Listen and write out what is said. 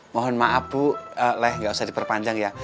mohon maaf bu leh nggak usah diperpanjang ya